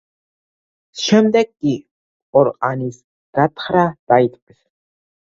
შემდეგ კი ყორღანის გათხრა დაიწყეს.